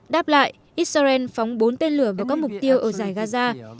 đáp lại israel phóng bốn tên lửa vào các mục tiêu ở giải gaza